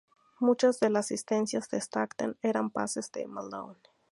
Muchas de las asistencias de Stockton eran pases a Malone.